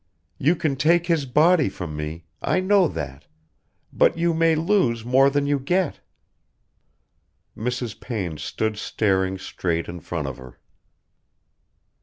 You can take his body from me ... I know that ... but you may lose more than you get." Mrs. Payne stood staring straight in front of her.